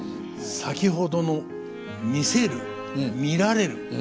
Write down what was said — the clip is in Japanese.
先ほどの「見せる」「見られる」